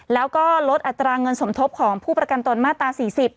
แล้วก็ลดอัตราเงินสมทบของผู้ประกันตนมาตรา๔๐